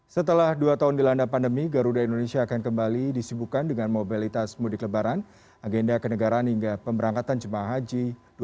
setelah dua tahun dilanda pandemi garuda indonesia akan kembali disibukan dengan mobilitas mudik lebaran agenda kenegaraan hingga pemberangkatan jemaah haji dua ribu dua puluh